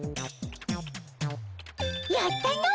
やったの！